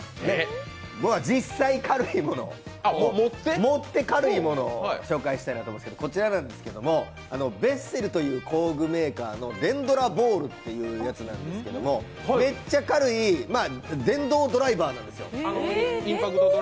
僕は実際軽いものを、持って軽いものを紹介したいんですがこちらなんですが、ベッセルという工具メーカーの電ドラボールというやつなんですけども、めっちゃ軽い電動ドライバーなんですよ。